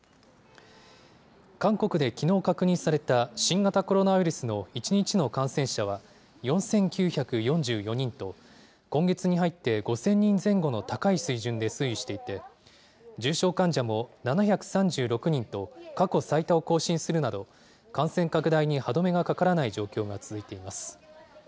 韓国できのう確認された新型コロナウイルスの１日の感染者は４９４４人と、今月に入って５０００人前後の高い水準で推移していて、重症患者も７３６人と過去最多を更新するなど、感染拡大に歯止めがかからない状況が続いています。